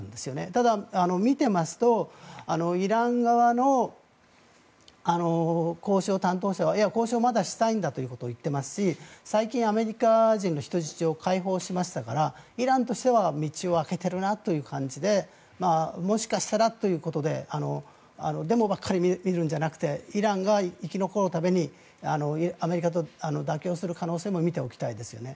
ただ、見てますとイラン側の交渉担当者は交渉まだしたいんだということを言っていますし最近、アメリカ人の人質を解放しましたからイランとしては道を開けているなという感じでもしかしたらということでデモばかり見るんじゃなくてイランが生き残るためにアメリカと妥協する可能性も見ておきたいですよね。